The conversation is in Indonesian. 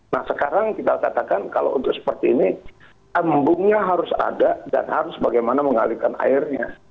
nah sekarang kita katakan kalau untuk seperti ini embungnya harus ada dan harus bagaimana mengalihkan airnya